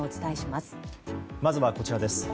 まずはこちらです。